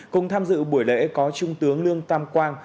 cùng tham dự buổi lễ có trung tướng lương tam quang